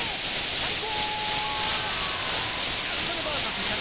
開講！